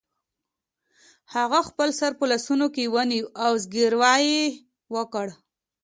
هغه خپل سر په لاسونو کې ونیو او زګیروی یې وکړ